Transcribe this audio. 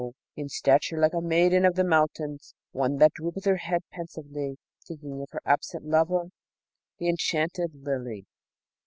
in stature like a maiden of the mountains, and one that droopeth her head pensively thinking of her absent lover, the Enchanted Lily.